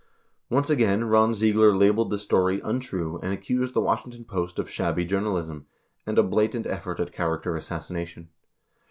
2 Once again, Ron Ziegler labeled the story "untrue" and accused the Washington Post of "shabby journalism" and "a blatant effort at character assassination."